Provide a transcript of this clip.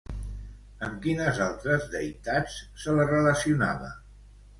Amb quines altres deïtats se la relacionava?